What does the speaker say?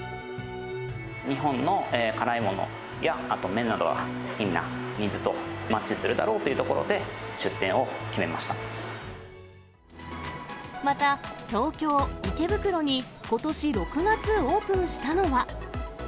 日本の辛いものや、あと麺などが好きなニーズとマッチするだろうというところで、また、東京・池袋にことし６月オープンしたのは。